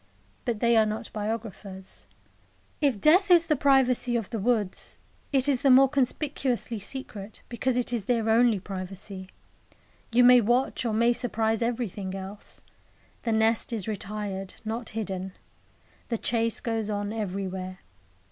But they are not biographers. If death is the privacy of the woods, it is the more conspicuously secret because it is their only privacy. You may watch or may surprise everything else. The nest is retired, not hidden. The chase goes on everywhere.